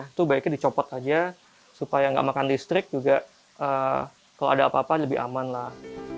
itu baiknya dicopot aja supaya nggak makan listrik juga kalau ada apa apa lebih aman lah